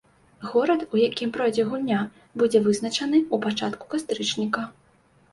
Горад, у якім пройдзе гульня, будзе вызначаны ў пачатку кастрычніка.